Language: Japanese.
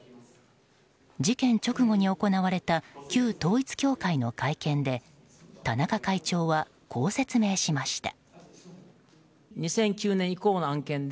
事件直後に行われた旧統一教会の会見で田中会長は、こう説明しました。